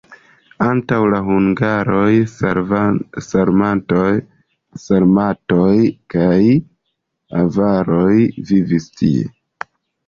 Antaŭ la hungaroj sarmatoj kaj avaroj vivis tie.